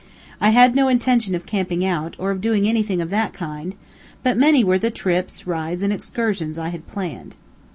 I had no intention of camping out, or of doing anything of that kind, but many were the trips, rides, and excursions I had planned.